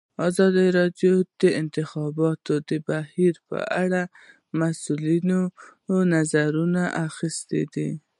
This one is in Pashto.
ازادي راډیو د د انتخاباتو بهیر په اړه د مسؤلینو نظرونه اخیستي.